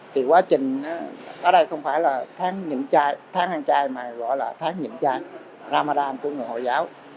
thì quá trình ở đây không phải là tháng nhịn chai tháng ăn chai mà gọi là tháng nhịn chai ramadan của người hồi giáo